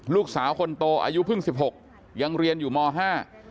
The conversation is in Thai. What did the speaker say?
ลูกสาวคนโตอายุเพิ่งสิบหกยังเรียนอยู่มห้า